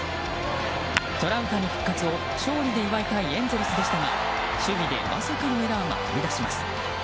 トラウタニ復活を勝利で祝いたいエンゼルスでしたが守備でまさかのエラーが飛び出します。